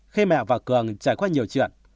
khi mẹ và cường trải qua nhiều chuyện